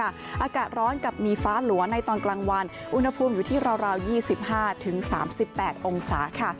อากาศร้อนกับมีฟ้าหลัวในตอนกลางวันอุณหภูมิอยู่ที่ราว๒๕๓๘องศาค่ะ